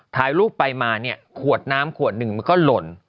ถ่ายรูปไปมาเนี่ยขวดน้ำขวดหนึ่งมันก็หล่น